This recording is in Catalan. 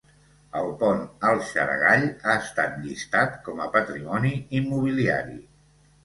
El pont al Xaragall ha estat llistat com a patrimoni immobiliari.